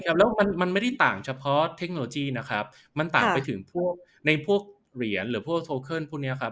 แล้วมันมันไม่ได้ต่างเฉพาะเทคโนโลยีนะครับมันต่างไปถึงพวกในพวกเหรียญหรือพวกโทเคิลพวกเนี้ยครับ